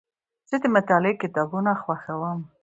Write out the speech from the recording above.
زه د مطالعې کتابونه خوښوم.